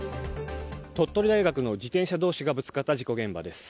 鳥取大学の自転車同士がぶつかった事故現場です。